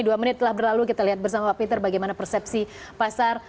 dua menit telah berlalu kita lihat bersama pak peter bagaimana persepsi pasar